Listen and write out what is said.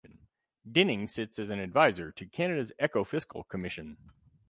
Dinning sits as an advisor to Canada's Ecofiscal Commission.